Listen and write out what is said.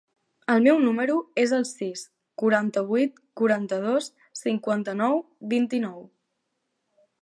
El meu número es el sis, quaranta-vuit, quaranta-dos, cinquanta-nou, vint-i-nou.